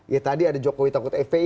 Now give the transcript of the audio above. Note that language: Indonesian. ya tadi ada jokowi takut fpi